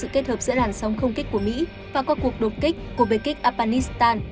giữa làn sóng không kích của mỹ và qua cuộc đột kích của bệnh kích afghanistan